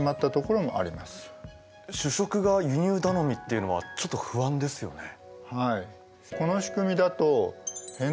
主食が輸入頼みっていうのはちょっと不安ですよね。